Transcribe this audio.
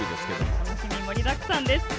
楽しみ、盛りだくさんです。